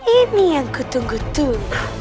ini yang kutunggu tuh